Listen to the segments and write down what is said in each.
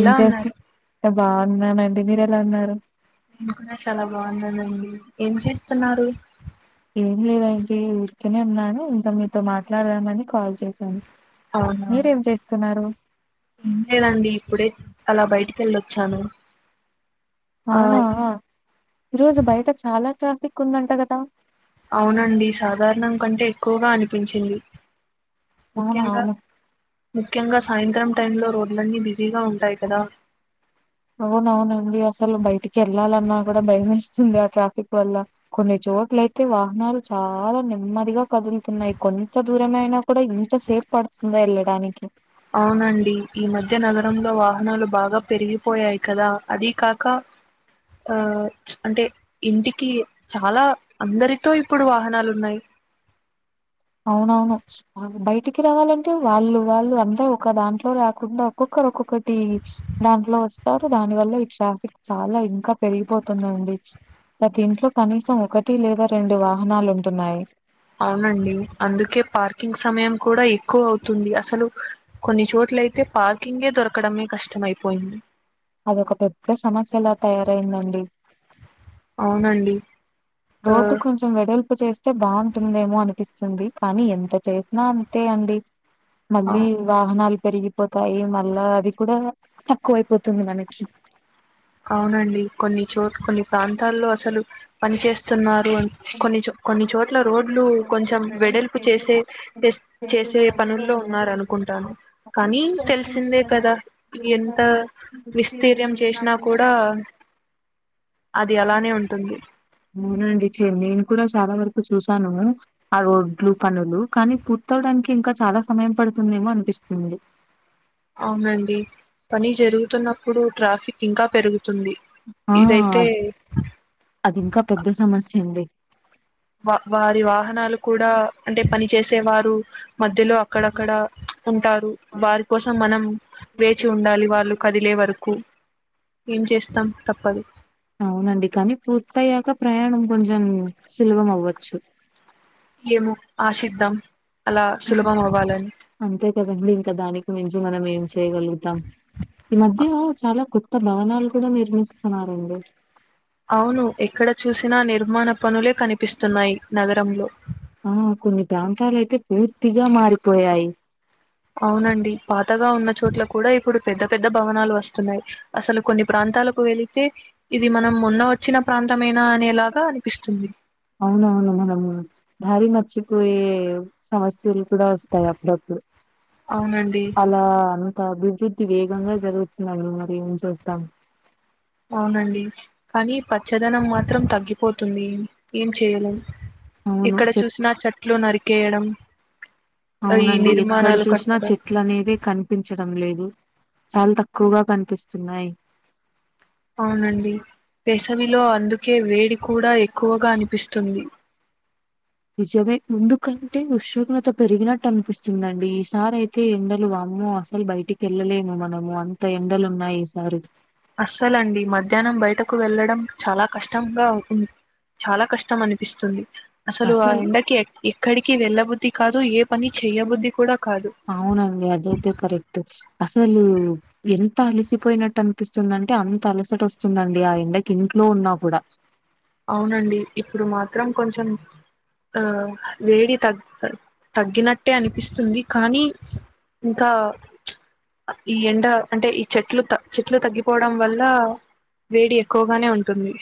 ఏం ఉన్నారు చేస్తనవ్ ఆ బాన్నానండి మీరు ఎలా ఉన్నారు? నేను కూడా చాలా బాగున్ననండి ఏం చేస్తున్నారు. ఏం లేదండి ఊరికెనే ఉన్నాను, ఇంకా మీతో మాట్లాడదామని కాల్ చేశాను. అవునా, మీరేం చేస్తున్నారు లేదండి ఇప్పుడే అలా బయటికి కెళ్ళొచ్చాను అవునా ఈరోజు బయట చాలా ట్రాఫిక్ ఉందంట కదా. అవునండి సాధారణం కంటే ఎక్కువగా అనిపించింది. అవునా ముఖ్యంగా అవును ముఖ్యంగా సాయంత్రం టైంలో రోడ్లన్నీ బిజీగా ఉంటాయి కదా. అవునవునండి అసలు బయటికెళ్ళాలన్నా కూడా భయమేస్తుంది ఆ ట్రాఫిక్ వల్ల కొన్ని చో రోడ్లయితే వాహనాలు చాలా నెమ్మదిగా కదులుతున్నాయి కొన్ని తో దూరమైనా కూడా ఇంత సేపు పడుతుందా ఎళ్ళడానికి అవునండి ఈ మధ్య నగరంలో వాహనాలు బాగా పెరిగిపోయాయి కదా అదీకాక ఆ ప్చ్ అంటే ఇంటికి చాలా అందరితో ఇప్పుడు వాహనాలు ఉన్నాయి. అవునవును బయటికి రావాలంటే వాళ్ళు వాళ్ళు అంత ఒక దాంట్లో రాకుండా ఒక్కొక్క రు ఒక్కొక్కటి దాంట్లో వస్తారు, దాని వల్ల ఈ ట్రాఫిక్ చాలా ఇంకా పెరిగిపోతుందండి. ప్రతి ఇంట్లో కనీసం ఒకటి లేదా రెండు వాహనాలు ఉంటున్నాయి. అవునండి అందుకే పార్కింగ్ సమయం కూడా ఎక్కువ అవుతుంది అసలు కొన్ని చోట్ ట్లయితే పార్కింగే దొరకడమే కష్టమయిపోయింది. అదొక పెద్ద సమస్యలా తయారయిందండి. అవునండి ఆ రోడ్డు కొంచెం వెడల్ లుపు చేస్తే బాగుంటుందేమో అనిపిస్తుంది, కానీ ఎంత చేసినా అంతే అండి. మళ్ళీ అవు- వాహనాలు పెరిగిపోతాయి మళ్ళా అది కూడా తక్కువ అయిపోతుంది మనకి. అవునండి కొన్ని చోట్ కొన్ని ప్రాంతాల్లో అసలు పని చేేస్తున్నారు అన్ కొన్ని కొన్ని చోట్ల రోడ్లు కొంచెం వెడల్పు చేసే చేస్ చేసే పనుల్లో ఉన్నార నుకుంటాను కానీ తెలిసిందే కదా ఎంత ఎక్స్పీరియన్స్ విస్తీర్యం వచ్చినా చేసినా కూడా అది అలానే ఉంటుంది అవునండి చేయన్నేను చాలా వరకు చూసాను ఆ రోడ్లు పనులు కానీ పూర్తవడానికి ఇంకా చాలా సమయం పడుత తుందేమో అనిపిస్తుంది అవునండి పని జరుగుతున్నప్పుడు ట్రాఫిక్ ఇంకా పెరుగు ఆ అది ఇంకా పెద్ద సమస్య అండి వా వారి వాహనాలు కూడా అంటె పని చేేసే వారు మధ్ ధ్యలో అక్కడక్కడ ఉంటారు వారి కోసం మనం వేచి ఉండాలి వాళ్ళు కదిలే వరకు కు ఏం చేస్తాం తప్పదు అవునండి కానీ పూర్తయ్యాక ప్రయాణం కొంచెం సులభం అవ్వచ్చు ఏమొ ఆశిద్దాం అలా సులభం అవ్వాలని అంతే కదండీ. ఇంకా దానికి మంచి మనం ఏం చేయ్యగలుగుతాం ఈ మధ్య చాలా కొ త్త భవనాలు కూడా నిర్మిస్తున్నారండి అవును ఎక్కడ చూసినా నిర్మాణ పనులే కనిపిస్తున్నాయి నగరంలో ఆ కొన్ని ప్రాంతాలు అయితే పూర్తిగా మారిపోయాయి అవునండి పాతగా ఉన్న చోట్ల కూడా ఇప్పుడు పెద్ద పెద్ద భవనాలు వస్తున్నాయి అసలు కొన్ని ప్రాంత ప్రాంతాలకు వెళితే ఇది మనం మొన్న వచ్చిన ప్రాంతమేనా అనేలాగా అనిపిస్తుంది అవునవును మనమ్ దారి మర్చిపోయే సమస్య లు కూడా వస్తాయి అప్పుడప్పుడు అవునండి అలా అభివృద్ధి వేగంగా జరుగుతుందడి మరి ఏం చేస్తాం అవునండి కానీ పచ్చదనం మాత్రం తగ్గిపోతుంది ఏం చేయలేం అవును. ఎక్కడ చెట్ చూసినా చెట్లు నరికేయడం ఈ అవునండి ఎక్కడ నిర్మాణాలు చూసినా కట్టడం చెట్లు అనేదే కనిపించడం లేదు చాలా తక్కువగా కనిపిస్తున్నాయి అవునండి వేసవిలో అందుకే వేడి కూడా ఎక్కువగా అనిపిస్తుంది నిజమే ముందుకంటే ఉష్ణోగ్రత పెరిగినట్టు అనిపిస్తుందండి ఈసారి అయితే ఎండలు వామొ మ్మొ అసలు బయటికి వెళ్ళలేము మనము అంత ఎండలు ఉన్నాయి ఈసారి అస్సల అండి మధ్యాహ్నం బయటకు వెళ్ళడం చాలా కష్టంగా ఉంది చాలా కష్టం అనిపిస్తుంది అస్సలు ఆ అసలు ఎండకి ఎక్కడికి వెళ్ళబుధ్ధి కాదు ఏ పని చెయ్యబుద్ధి కూడా కాదు అవునండి అదైతే కరెక్ట్ అసలు ఎంత ంత అలిసిపోయినట్టు అనిపిస్తుందింటె అంత అలసట వస్తుందండి ఆ ఎండకి ఇంట్లో ఉన్నా కూడా అవునండి ఇప్పుడు మాత్రం కొంచెం ఆ వేడి తగ్ తగ్గినట్టే అనిపిస్తుంది కానీ ఇంకా ప్చ్ ఈ ఎండ అంటె ఈ చెట్లు త చెట్లు తగ్గిపోవడం వల్లా వేడి ఎక్కువగానే ఉంటుంది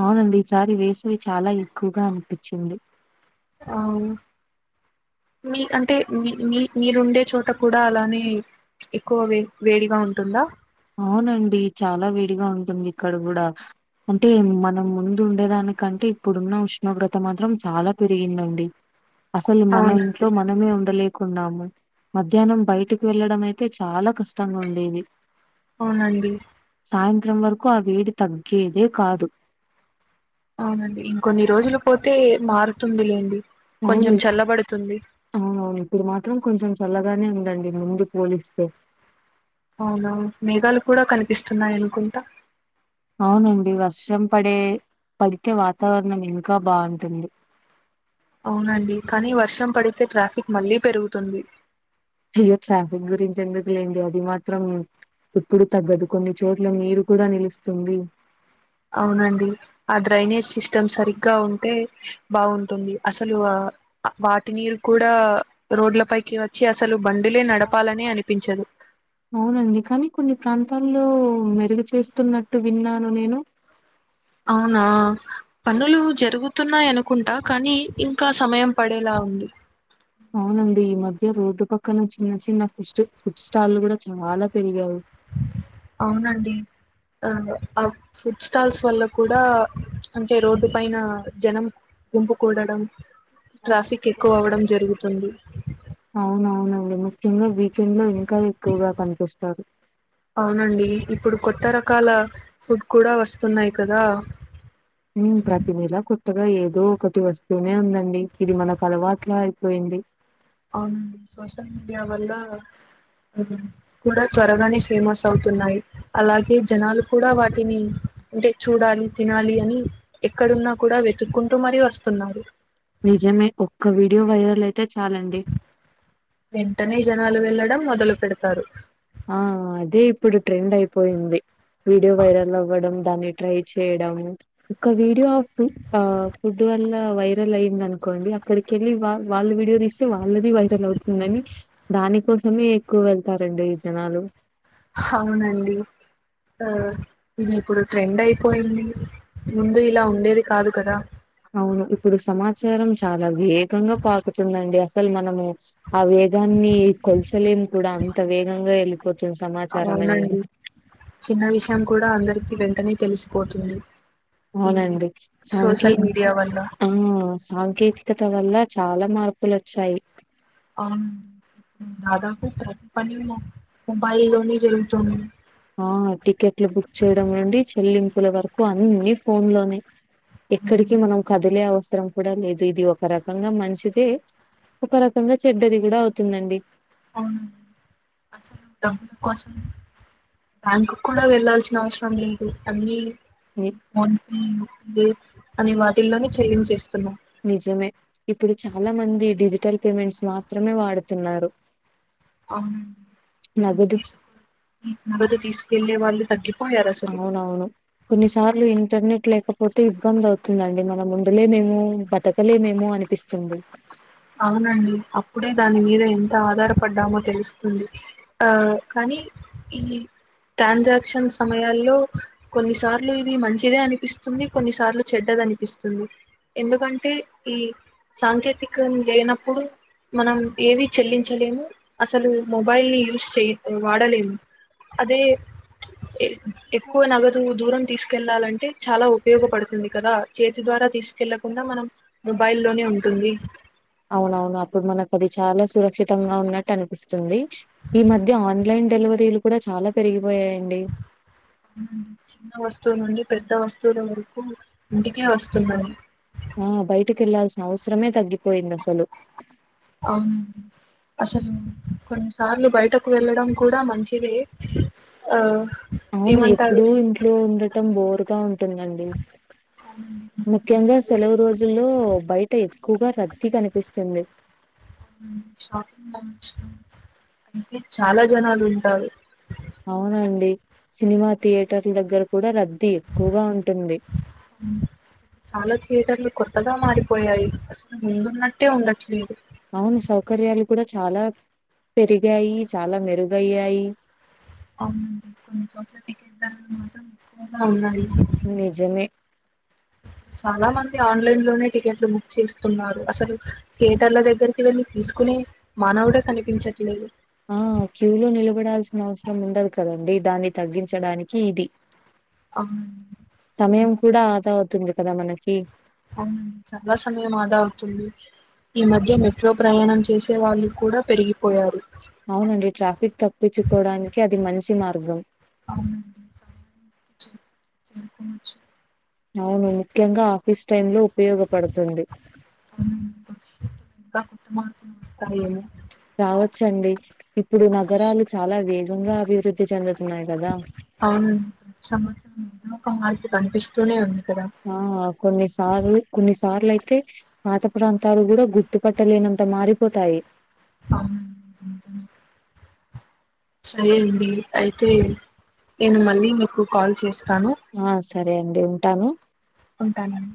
అవునండి ఈసారి వేసవి చాలా ఎక్కువగా అనిపిచింది అవును మీ అంటే మీ మీ మీరుండే చోట కూడా అలానే ఎక్కువ వే వేడిగా ఉంటుందా అవునండి చాలా వేడిగా ఉంటుంది ఇక్కడ కూడా అంటే మనం ముందు ఉండేదానికంటే ఇప్పుడున్న ఉష్ణోగ్రత మాత్రం చాలా పెరిగిందండి అసలు మన అవునండి ఇంట్లో మనమే ఉండలేకు న్నాము మధ్యాహ్నం బయటకు వెళ్ళడం అయితే చాలా కష్టంగా ఉండేది అవునండి సాయంత్రం వరకు ఆ వేడి తగ్గేదే కాదు అవునండి ఇంకొన్ని రోజులు పోతే మారుతుంది లేండి అవును అవునవును ఇప్పుడు మాత్రం కొంచెం చల్లగానే ఉందండి ముందు పోలిస్తే అవునా మేఘాలు కూడా కనిపిస్తున్నాయనుకుంటా అవునండి వర్షం పడే పడితేే వాతావరణం ఇంకా బాంటుంది అవునండి కానీ వర్షం పడితే ట్రాఫిక్ మళ్ళీ పెరుగుతుంది అయ్యో ట్రాఫిక్ గురించి ఎందుకు లేండి అది మాత్రం ఇప్పుడు తగ్గదు కొన్ని చోట్ల నీరు కూడా నిలుస్తుంది అవునండి ఆ డ్రైనేజ్ సిస్టమ్ సరిగ్గా ఉంటే బాగుంటుంది అసలు ఆ వాటి నీరు కూడా రోడ్ల పైకి వచ్చి అసలు బండిలే నడపాలని అనిపించదు అవునండి కానీ కొన్ని ప్రాంతాల్లో మెరుగు చేస్తున్నట్టు విన్నాను నేను [inaudible] అవునా పనులు జరుగుతున్నాయనుకుంటా కానీ ఇంకా సమయం పడేలా ఉంది అవునండి ఈ మధ్య రోడ్డు పక్కన చిన్న చిన్న ఫుడ్స్ట ఫుడ్ స్టాల్ కూడా చాలా పెరిగాయి అవునండి ఆ ఆ ఫుడ్ స్టాల్స్ వల్ల కూడా అంటే రోడ్డు పైన జనం గుంపుకూడడం ట్రాఫిక్ ఎక్కువ అవ్వడం జరుగుతుంది అవునండి ముఖ్యంగా వీకెండ్ లోనే అవునండి ఇప్పుడు కొత్త రక్ కాల ఫుడ్ కూడా వస్తున్నాయి కదా ఉ ప్రతి నెల కొ త్తగా ఏదో ఒకటి వస్తూనే ఉందండి ఇది మనకు అలవాట్లా అయిపోయింది అవునండి సోషల్ మీడియా వల్ల కూడా త్వరగానే ఫేమస్ అవుతున్నాయి అలాగే జనాలు కూడా వాటిని అంటే చూడాలి తినాలి అని ఎక్కడున్నా కూడా వెతుక్కుంటూ మరీ వస్తున్నారు నిజమే ఒక్క వీడియో వైరల్ అయి వెంటనే జనాలు వెళ్ళడం మొదలు పెడతారు ఆ అదే ఇప్పుడు ట్రెండ్ అయిపోయింది వీడియో వైరల్ అవ్వడం దాన్ని ట్రై చేయడం ఒక వీడియో ఫు ఫుడ్ వల్ల వైరల్ అయింది అనుకోండి అక్కడికెళ్ళి వా వాళ్ళ వీడియో తీస్తే వాళ్ళది వైరల్ అవుతుందని దాని కోసమే ఎక్కువ వెళ్తారండి జనాలు అవునండి ఆ ఇది ఇప్పుడు ట్రెండ్ అయిపోయింది ముందు ఇలా ఉండేది కాదు కదా చారం చాలా వేగంగా పాకుతుందండి అసలు మనము ఆ వేగాన్ని కొల్చలే కూడా అంత వేగంగా వెల్ అవునండి చిన్న విషయం కూడా అందరికి వెంటనే తెలిసిపోతుంది ఈ అవునండి, సాంకే సోషల్ మీడియా వల్ల ఆ సాంకేతికత వల్ల చాలా మార్పులొచ్చాయి అవును దాదాపు ప్రతి పని మొబైల్ లోనే జరుగుతుంది. ఆ టికెట్లు బుక్ చేయడం నుండి చెల్లింపుల వరకు అన్ని ఫోన్ లోనే ఎక్కడికి అవునండి, మనం కదిలే అవస్ సరం కూడా లేదు ఇది ఒక రకంగా మంచిదే, ఒక రకంగా చెడ్డది కూడా అవుతుందండి. అవునా అసలు డబ్బుల కోసం బ్యాంకు క్కూడా వెళ్లాల్సిన అవసరం లేదు అన్ని ని అని వాటిల్లోనే చేయించేస్తున్నాం. నిజమే ఇప్పుడు చాలా మంది డిజిటల్ పేమెంట్స్ మాత్రమే వాడుతున్నారు. అవునండి నగదు తీస్కో నగదు తీసుకెళ్ళే వాళ్లే తగ్గి అవునవును కొన్నిసార్లు ఇంటర్నెట్ లేకపోతే ఇబ్బంది అవుతుందండి మనముండలే మేమో మో బతకలేమేమో అనిపిస్తుంది. అవునండి అప్పుడే దాని మీద ఎంత ఆధారపడ్డామో తెలుస్తుంది ఆ కానీ నీ ఈ ట్రాన్సాక్షన్ సమయాల్లో కొన్నిసార్లు ఇది మంచిదే అనిపిస్తుంది కొన్నిసార్లు చెడ్డ అనిపిస్తుంది ఎందుకంటే ఈ సాంకేతికం లేనప్పుడు మనం ఏవి చెల్లించలేము అసలు మొబైల్ ని యూస్ చెయ్ వాడలేము అదే ఎ ఎక్కువ నగదు దూరం తీసుకెళ్ళాలంటే చాలా ఉపయోగపడుతుంది కదా చేతి దో ద్వారా తీసుకెళ్ళకుండా మనం మొబైల్ లోనే ఉంటుంది. అవునవును అప్పుడు మనకు అది చాలా సురక్షితంగా ఉన్నట్టు అనిపిస్తుంది ఈ మధ్య ఆన్ న్లైన్ డెలివరీలు కూడా చాలా పెరిగిపోయాయండి. చిన్న వస్తువుల నుండి పెద్ద వస్తువుల వరకు ఇంటికే వస్తున్నాయి. ఆ బయటికి వెళ్లాల్సిన అవసరమే తగ్గిపోయింది అసలు అవునండి అసలు కొన్ని సార్లు బయటకు వెళ్ళడం కూడా మంచివే ఆ అవును ఏమంటారు ఎప్పుడూ ఇంట్లో ఉండటం బోరుగా ఉంటుందండి. ముఖ్యంగా అవునండి, సెలవు రోజుల్లో బయట ఎక్కువగా రద్దీ కనిపిస్తుంది. చాలా జనాలు ఉంటారు. అవునండి సినిమా థియేటర్ల దగ్గర కూడా రద్ చాలా థియేటర్లు కొన్ త్తగా మారిపోయాయి అసలు ముందున్నట్టే ఉండట్లేదు. అవును సౌకర్యాలు కూడా చాలా పెరిగాయి చాలా మెరుగయ్యాయి. అవునండి కొన్ని చోట్ల టికెట్ ధరలు మాత్రం ఎక్కువగా ఉన్నాయి. నిజమే చాలా మంది ఆన్లైన్ లోనే టికెట్లు బుక్ చేస్తున్నారు అసలు థియేటర్ల దగ్గరికి వెళ్ళి తీస్ కొనే మానవుడే కనిపించట్లేదు. ఆ క్యూ లో నిలబడాల్సిన అవసరం ఉండదు కదండి దాన్ని తగ్గించడానికి ఇది అవునండి. సమయం కూడా ఆదా అవుతుంది కదా మనకి అవునండి చాలా సమయం ఆదా అవుతుంది. ఈ మధ్య మెట్రో ప్రయాణం చేసే వాళ్ళు కూడా పెరిగిపోయారు అవునండి ట్రాఫిక్ తప్పించుకోవడానికి అది మంచి మార్గం అవునండి చేరుకోవచ్చు అవును ముఖ్యంగా ఆఫీస్ టైమ్ లో ఉపయోగపడుతుంది మా రావచ్చండి ఇప్పుడు నగరాలు చాలా వేగంగా అభివృద్ధి చెందుతున్నాయి కదా అవునుండి ప్రతి సంవత్సరం ఏదో ఒక మార్పు కనిపిస్తూనే ఉంది కదా! ఆ కొన్ని స సార్లు కొన్నిసార్లు అయితే పాత ప్రాంతాలు కూడా గుర్తుపట్టలేనంత మారిపోతాయి అ సరే అండి అయితే నేను మళ్ళీ మీకు కాల్ చేసాను ఆ సరే అండి ఉంటాను ఉంటానండి